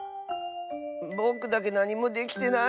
ぼくだけなにもできてない。